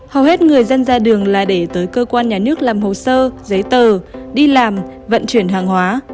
hầu hết người dân ra đường là để tới cơ quan nhà nước làm hồ sơ giấy tờ đi làm vận chuyển hàng hóa